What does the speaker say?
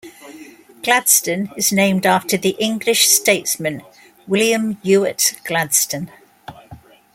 Gladstone is named after the English statesman William Ewart Gladstone.